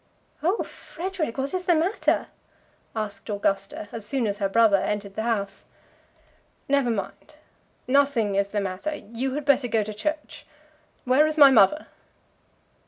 "Oh, Frederic, what is the matter?" asked Augusta, as soon as her brother entered the house. "Never mind. Nothing is the matter. You had better go to church. Where is my mother?"